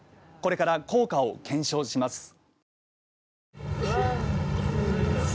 これから効果を検証します。